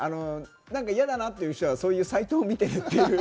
嫌だなっていう人はそういうサイトを見てるっていう。